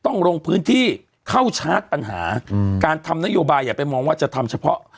ต้องลงพื้นที่เข้าชาร์จปัญหาอืมการทำนโยบายอย่าไปมองว่าจะทำเฉพาะ